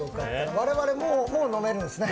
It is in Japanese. われわれもう飲めるんですね。